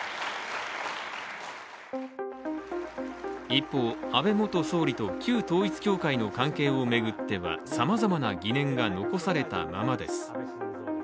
一方、安倍元総理と旧統一教会の関係を巡ってはさまざまな疑念が残されたままです。